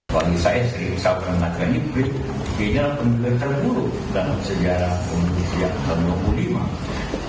bagi saya saya pernah mengatakan ini ini adalah pemilu terburuk dalam sejarah indonesia yang ke dua puluh lima